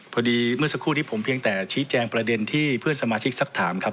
เมื่อสักครู่นี้ผมเพียงแต่ชี้แจงประเด็นที่เพื่อนสมาชิกสักถามครับ